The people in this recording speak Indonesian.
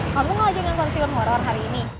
kamu gak ajak nonton tionghoror hari ini